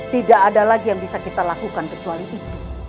tidak ada lagi yang bisa kita lakukan kecuali itu